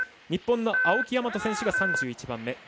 日本の青木大和選手が３１番目。